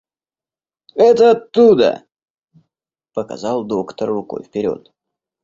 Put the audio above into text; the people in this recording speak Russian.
— Это оттуда, — показал доктор рукой вперед.